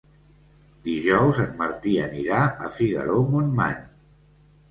Dijous en Martí anirà a Figaró-Montmany.